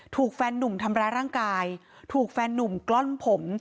ถูกแฟนหนุ่มทำร้ายร่างกายถูกแฟนนุ่มกล้อนผม